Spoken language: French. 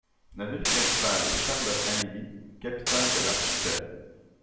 La ville principale est Charlotte-Amélie, capitale de l'archipel.